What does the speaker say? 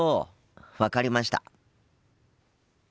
分かりました。